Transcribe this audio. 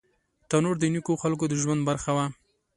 تنور د نیکو خلکو د ژوند برخه وه